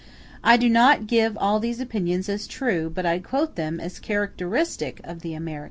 I do not give all these opinions as true, but I quote them as characteristic of the Americans.